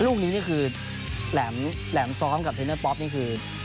ลูกนี้นี่คือแหลมซ้อมกับเทนเนอร์ป๊อปนี่คือ